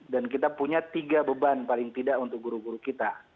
dan kita punya tiga beban paling tidak untuk guru guru kita